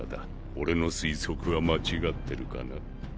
俺の推測は間違ってるかな？